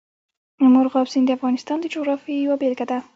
مورغاب سیند د افغانستان د جغرافیې یوه بېلګه ده.